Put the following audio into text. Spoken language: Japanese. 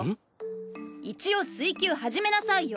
一応水球始めなさいよ。